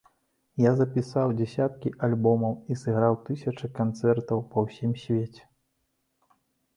Я запісаў дзясяткі альбомаў і сыграў тысячы канцэртаў па ўсім свеце.